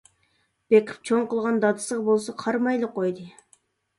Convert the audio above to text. بېقىپ چوڭ قىلغان دادىسىغا بولسا قارىمايلا قويدى.